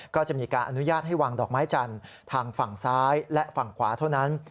ก็จะมีการอนุญาตให้วางดอกไม้จันทร์ทางฝั่งซ้ายและฝั่งขวาเท่านั้น